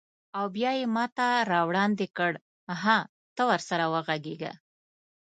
او بیا یې ماته راوړاندې کړ: هه، ته ورسره وغږیږه.